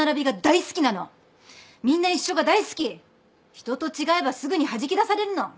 人と違えばすぐにはじき出されるの。